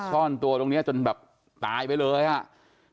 ซ่อนตัวตรงนี้จนแบบตายไปเลยอ่ะ